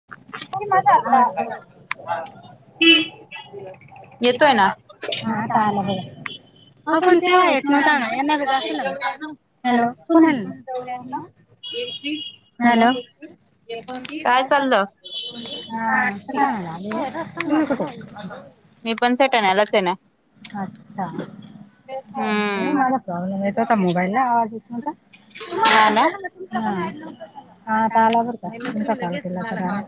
[unintelligible] हा आता आला बघा. हा पण तेव्हा येत नव्हताना, यांना बी दाखवला ना,, हॅलो.. एकवीस,, हॅलो,, एकोणतीस,, काय चाललं? [unintelligible] मी पण सटाण्याला चे ना. अच्छा. बेक्कार नाही ना माझा प्रॉब्लेम येत होता मोबाईलला आवाज येत नव्हता तुम्हाला कोण त्यांना म्हण हा हा आता आला बरका तुमचा कॉल केला तर आला.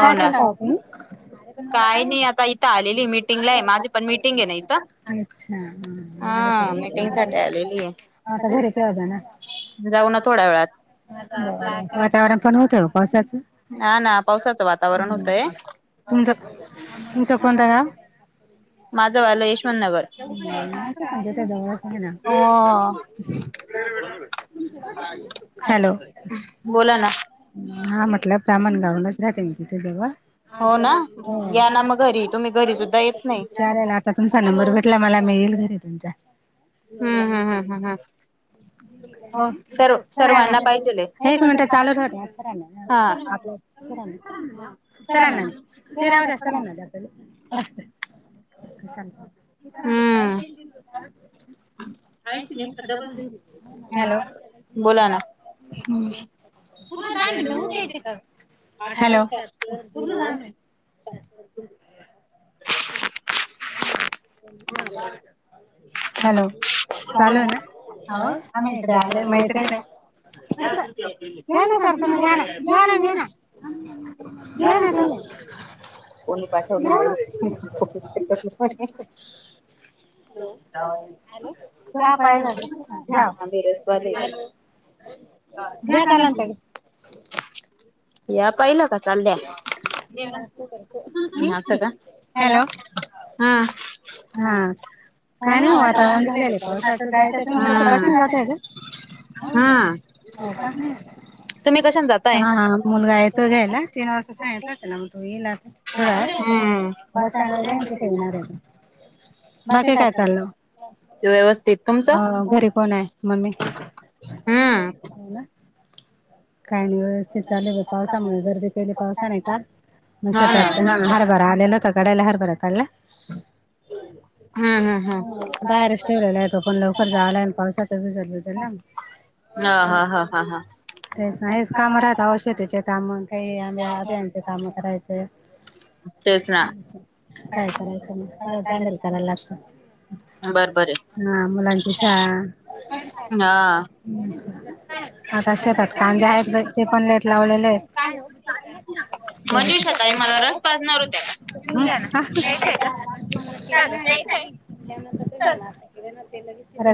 काय करता ओ तुम्ही [unintelligible] मिटिंग आहे म्हटलं हम्म. अच्छा [unintelligible] मग आता घरी केव्हा जाणार जाऊ ना थोड्या वेळात. वातावरण पण होतं पावसाचं. हा ना पावसाचं वातावरण हम्म तुमचं तुमचं कोणतं गाव [unintelligible] [inaudible] हॅलो बोला ना हा म्हटलं ब्राह्मणगावलाच राहते मी तिथे जवळ. [inaudible] [unintelligible] चालेल आता तुमचा नंबर भेट तला मला मिळेल घरी तुमच्या हम्म हम्म हम्म हम्म हम्म हो सरांना एक मिनटं चालू राहू द्या हा सरांना हा कॉल सरांना सरांना ते राहुद्या सरांना द्या पहिले. [inaudible] [unintelligible] [inaudible] हॅलो बोला ना हम्म कुठं दहा मिनिटं होऊ द्यायचे का [inaudible] हॅलो [inaudible] हा बरोबर हॅलो चालू आहे ना आवाज आम्ही इकडं आल्यालो मैत्रीण हाय. अ स घ्या ना सर तुम्ही घ्या ना घ्या ना घ्या ना तुम्ही घ्या ना हॅलो हॅलो चहा [unintelligible] [inaudible] [unintelligible] या पाहिलं का चालल्या हॅलो हा हा काय नाही वातावरण झालेलं आहे पावसाचं जायचं तुम्ही कसं बस नं जाता येतं हा हो का हम्म हा हा मुलगा येतोय घ्यायला तीन वाजता सांगितलं होतं त्याला मग तो येईल आता. थोडा वेळ हम्म बस स्टँडला जाईन तिथं येणार आहे तो. बाकी काय चाललं व्यवस्थित हो घरी कोण हाय मम्मी हम्म हाय ना काही नाही व्यवस्थित चालूयं बग पावसामुळे गर्दी केली पावसाने ताप मग शेतात हरबरा आलेल होता कडायला हरबरा काढला. हम्म हा बाहेरच ठेवलेला आहे तो पण लवकर जा आलाय न पावसाचा भिजल भिजल लांब हा हा हा हा हा कायच कामं नाय ना होत त्याच्यात आम्हाला काय आम्ही आधी ह्यांचे कामं करायचे. तेच ना काय करायचं म [unintelligible] कराय लागतं बर बर हा मुलांची शाळा असं [unintelligible] मंजूषा ताई मला रस प्यायचा न्याल काय पिऊया ना प्याचाय का का गं प्यायचाय चल